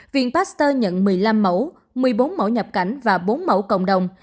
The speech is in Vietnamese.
viện pasteur nhận một mươi năm mẫu một mươi bốn mẫu nhập cảnh và bốn mẫu cộng đồng